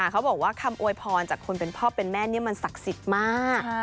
เขาบอกว่าคำอวยพรจากคนเป็นพ่อเป็นแม่นี่มันศักดิ์สิทธิ์มาก